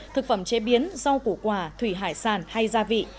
thực phẩm chế biến rau củ quả thủy hải sản hay gia vị